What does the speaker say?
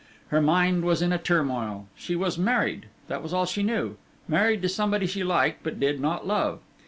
Her mind was in a turmoil; she was married that was all she knew married to somebody she liked but did not love.